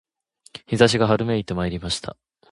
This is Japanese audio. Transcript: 陽射しが春めいてまいりました